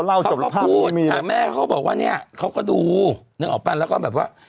เขาก็พูดแต่แม่เขาก็บอกว่าเนี่ยเขาก็ดูนึกออกป่ะแล้วก็แบบว่า